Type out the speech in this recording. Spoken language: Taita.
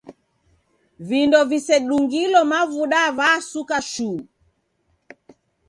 Vindo visedungilo mavuda vasuka shuu.